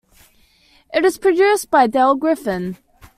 It is produced by Dale Griffin.